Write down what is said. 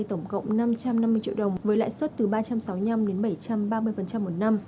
năm mươi triệu đồng với lãi suất từ ba trăm sáu mươi năm đến bảy trăm ba mươi một năm